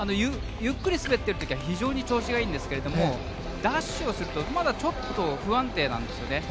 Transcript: ゆっくり滑っている時は非常に調子がいいんですがダッシュをするとまだちょっと不安定なんです。